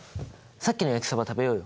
さっきの焼きそば食べようよ。